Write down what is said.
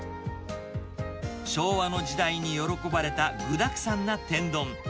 昭和の時代に喜ばれた具だくさんな天丼。